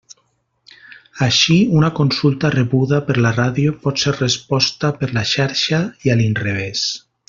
Així, una consulta rebuda per la ràdio pot ser resposta per la Xarxa i a l'inrevés.